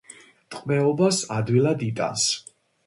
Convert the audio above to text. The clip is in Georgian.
ტყვეობას ადვილად იტანს.